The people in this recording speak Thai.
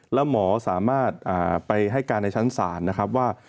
แล้วหมอสามารถไปให้การในชั้นศาลนะครับว่า